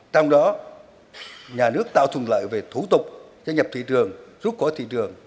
trong đó nhà nước tạo thuận lợi về thủ tục gia nhập thị trường rút khỏi thị trường